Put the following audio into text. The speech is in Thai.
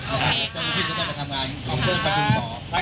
ขอบคุณมากครับสวัสดีครับ